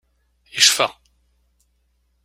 Yecfa.